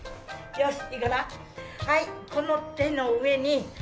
よし。